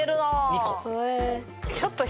２個。